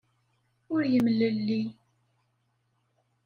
Ur yemlelli.